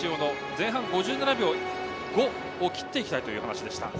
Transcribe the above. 前半５７秒５を切っていきたいという話でした。